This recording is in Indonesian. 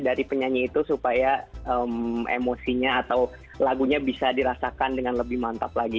jadi penyanyi itu supaya emosinya atau lagunya bisa dirasakan dengan lebih mantap lagi